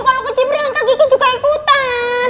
kalau kecimbringan kak kiki juga ikutan